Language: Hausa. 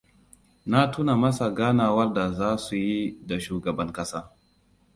Na tuna masa ganawar da za su yi da shugaban kasa.